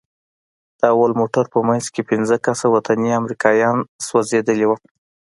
د اول موټر په منځ کښې پنځه کسه وطني امريکايان سوځېدلي وو.